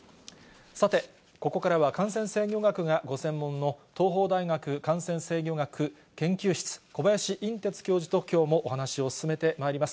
さて、ここからは感染制御学がご専門の東邦大学感染制御学研究室、小林寅てつ教授ときょうもお話を進めてまいります。